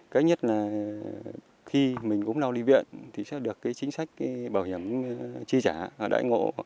cái nhất là khi mình cũng lau đi viện thì sẽ được cái chính sách bảo hiểm chi trả ở đại ngộ